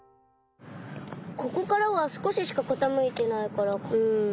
ここからはすこししかかたむいてないからうん。